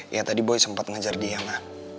ya tadi boy sempat ngejar dia mak